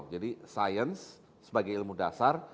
jadi science sebagai ilmu dasar